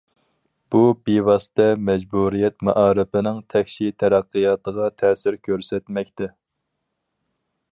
بۇ بىۋاسىتە مەجبۇرىيەت مائارىپىنىڭ تەكشى تەرەققىياتىغا تەسىر كۆرسەتمەكتە.